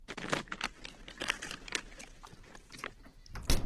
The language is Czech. To je historicky nejvyšší návštěva evropských pohárů.